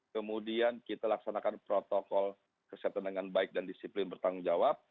kemudian kita laksanakan protokol kesehatan dengan baik dan disiplin bertanggung jawab